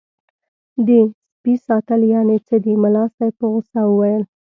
د سپي ساتل یعنې څه دي ملا صاحب په غوسه وویل.